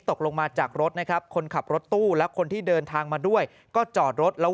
ตกลงมาจากรถนะครับคนขับรถตู้และคนที่เดินทางมาด้วยก็จอดรถแล้ว